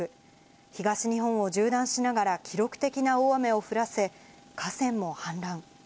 東日本を縦断しながら記録的な大雨を降らせ、河川も氾濫。